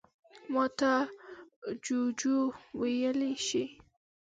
_ماته جُوجُو ويلی شې.